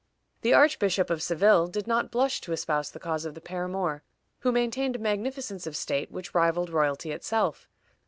The Archbishop of Seville did not blush to espouse the cause of the paramour, who maintained a magnificence of state which rivaled royalty itself.